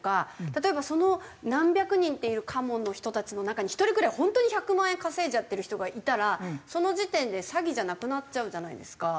例えばその何百人っているカモの人たちの中に１人くらいホントに１００万円稼いじゃってる人がいたらその時点で詐欺じゃなくなっちゃうじゃないですか。